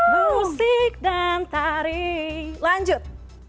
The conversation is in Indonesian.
musik dan tarik lanjut